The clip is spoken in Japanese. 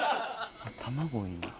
卵いいな。